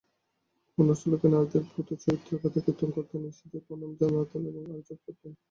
পুণ্যশ্লোকা নারীদের পূত চরিতকথা কীর্তন করতেন, ঋষিদের প্রণাম জানাতেন, আর জপ করতেন।